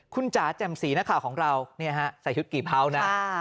คุณจ๋าแจมสีนะคะของเรานี่ฮะใส่ชุดกี่เบานะ